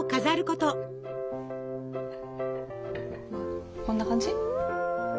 こんな感じ？